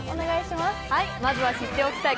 まずは知っておきたい